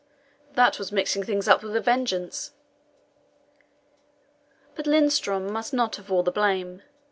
That was mixing things up with a vengeance." But Lindström must not have all the blame.